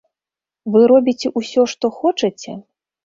Вы робіце ўсё, што хочаце?